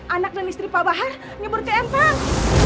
anak dan istri pak bahar nyebar ke empang